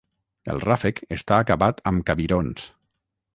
El ràfec està acabat amb cabirons.